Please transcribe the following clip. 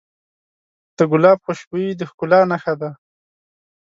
د ګلاب خوشبويي د ښکلا نښه ده.